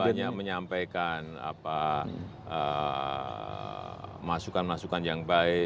banyak menyampaikan masukan masukan yang baik